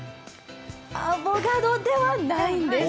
アボカドではないんです。